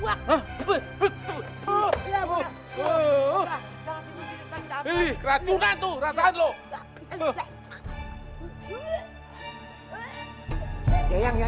hai betul betul keracunan tuh rasanya lo